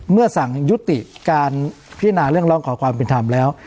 เมื่อสั่งยุติการพินาศาสตร์เรื่องรองขอความผิดทำแล้ว